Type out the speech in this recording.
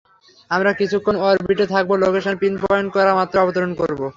আমরা কিছুক্ষণ অরবিটে থাকব, লোকেশন পিনপয়েন্ট করা মাত্রই অবতরন করব।